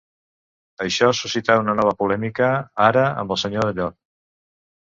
Això suscità una nova polèmica, ara amb el senyor de Llor.